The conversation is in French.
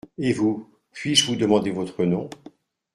Et vous, puis-je vous demander votre nom ?